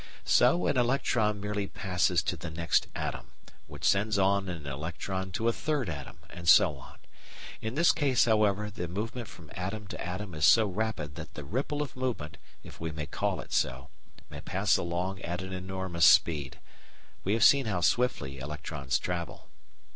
So an electron merely passes to the next atom, which sends on an electron to a third atom, and so on. In this case, however, the movement from atom to atom is so rapid that the ripple of movement, if we may call it so, may pass along at an enormous speed. We have seen how swiftly electrons travel.